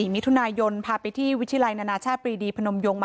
๒๔มิถุนายนพาไปที่วิทยาลัยนาชาติปีธรรมยงนะฮะ